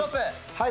はい。